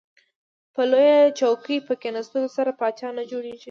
په لویه چوکۍ په کیناستلو سره پاچا نه جوړیږئ.